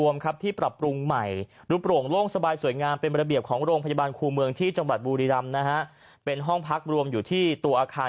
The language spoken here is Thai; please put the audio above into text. มันเหมือนแบบไปขอเขาอ่ะ